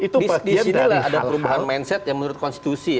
disinilah ada perubahan mindset yang menurut konstitusi